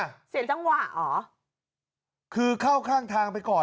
เสียจังหวะเหรอคือเข้าข้างทางไปก่อน